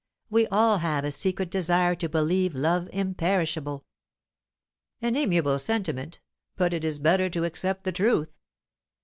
We all have a secret desire to believe love imperishable." "An amiable sentiment; but it is better to accept the truth."